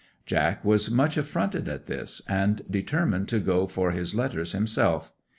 'Jack was much affronted at this, and determined to go for his letters himself.